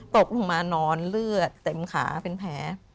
ตกลงมานอนเลือดเต็มขาเป็นแผล